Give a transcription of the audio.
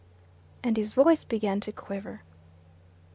And his voice began to quiver.